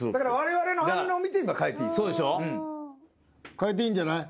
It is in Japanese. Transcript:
変えていいんじゃない？